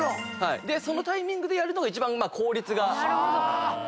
そのタイミングでやるのが一番効率がいい。